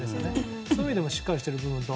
そういう意味でもしっかりしている部分が。